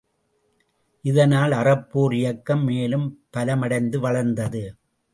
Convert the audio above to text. இதனால் அறப்போர் இயக்கம் மேலும் பலமடைந்து வளர்ந்தது.